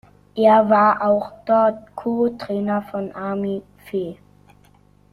Er war auch dort Co-Trainer von Armin Veh.